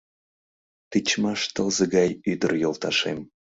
Тичмаш тылзе гай ӱдыр йолташем